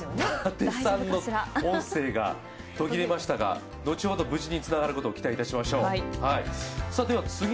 達さんの音声が途切れましたが、後ほど無事につながることを期待しましょう。